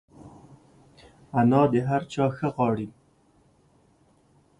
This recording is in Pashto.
انا د هر چا ښه غواړي